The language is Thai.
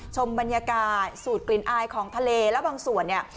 ชมบรรยากาศสูตรกลิ่นอายของทะเลแล้วบางส่วนเนี่ย